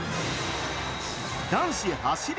男子走り